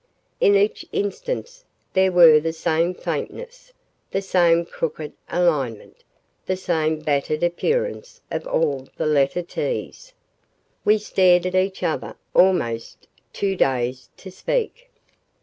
In each instance there were the same faintness, the same crooked alignment, the same battered appearance of all the letter T's. We stared at each other almost too dazed to speak.